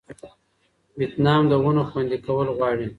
ویتنام د ونو خوندي کول غواړي.